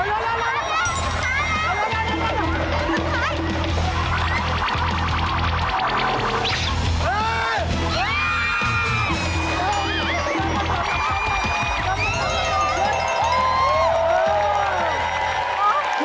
โอ้โฮโอ้โฮโอ้โฮ